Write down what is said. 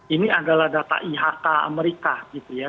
ini adalah data ihk amerika gitu ya